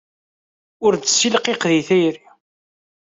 Ur d-ssilqiq di tayri.